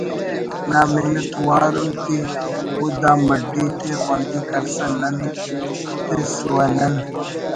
نا منت وار اون کہ او دا مڈی تے خوندی کریسہ نن تِس و نن